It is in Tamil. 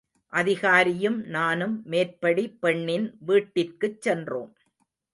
அதிகாரியும் நானும் மேற்படி பெண்ணின் வீட்டிற்குச் சென்றோம்.